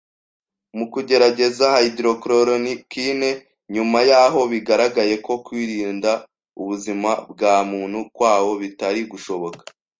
mu kugerageza hydroxychloroquine, nyuma y’aho bigaragaye ko kurinda ubuzima bwa muntu kwawo bitari gushoboka”.